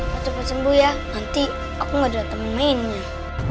waktu sembuh ya nanti aku gak ada temen mainnya